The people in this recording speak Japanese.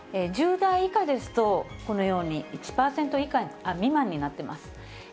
１０代以下ですと、このように１％未満になっています。